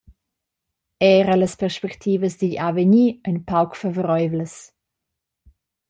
Era las perspectivas digl avegnir ein pauc favoreivlas.